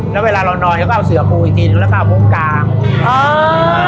แล้วเวลาเรานอนก็เอาเสือกูอีกทีหนึ่งแล้วก็เอาโมงกลางอ่า